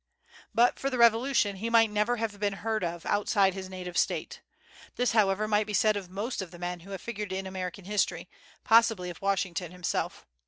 But for the Revolution he might never have been heard of outside his native State. This, however, might be said of most of the men who have figured in American history, possibly of Washington himself.